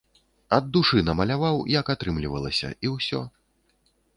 Ад душы намаляваў, як атрымлівалася, і ўсё.